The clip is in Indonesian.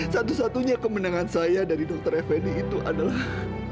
satu satunya kemenangan saya dari dr effendi itu adalah